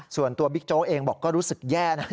ส่วนตัวบิ๊กโจ๊กเองบอกก็รู้สึกแย่นะ